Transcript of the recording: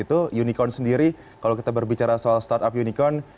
unicorn sendiri kalau kita berbicara soal startup unicorn